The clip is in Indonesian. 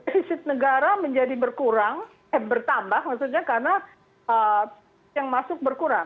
riset negara menjadi bertambah karena yang masuk berkurang